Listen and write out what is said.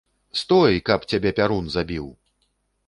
Стой, каб цябе пярун забіў!